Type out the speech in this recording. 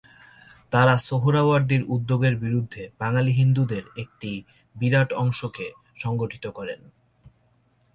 তাঁরা সোহরাওয়ার্দীর উদ্যোগের বিরুদ্ধে বাঙালি হিন্দুদের একটি বিরাট অংশকে সংগঠিত করেন।